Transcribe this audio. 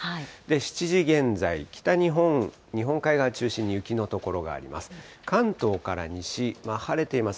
７時現在、北日本、日本海側中心に雪の所があります。